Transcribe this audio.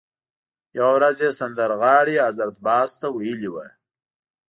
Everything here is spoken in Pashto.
یوه ورځ یې سندرغاړي حضرت باز ته ویلي وو.